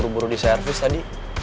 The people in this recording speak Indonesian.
jangan kedi dagang kemana mana